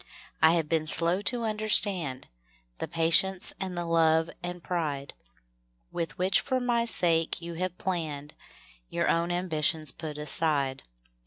I have been slow to understand The patience and the love and pride "With which for my sake you have hour own ambitions put aside.